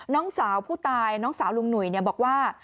น้องสาวผู้ตายน้องสาวลุงหนุ่ยบอกว่า